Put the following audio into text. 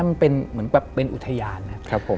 มันเป็นเหมือนแบบเป็นอุทยานนะ